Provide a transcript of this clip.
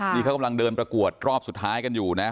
นี่เขากำลังเดินประกวดรอบสุดท้ายกันอยู่นะ